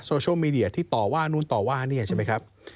โซเชียลมีเดียที่ต่อว่านู้นต่อว่าเนี่ยใช่ไหมครับ